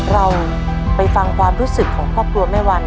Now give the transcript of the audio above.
เราไปฟังความรู้สึกของครอบครัวแม่วัน